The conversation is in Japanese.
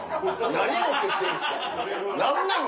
何持ってきてるんですか⁉何なの？